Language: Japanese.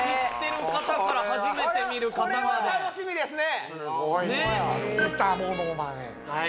あらっこれは楽しみですね！